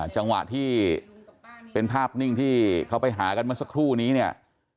จังหวะที่เป็นภาพนิ่งที่เขาไปหากันเมื่อสักครู่นี้เนี่ย